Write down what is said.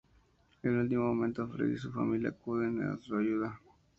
En el último momento, Fred y su familia acuden en su ayuda.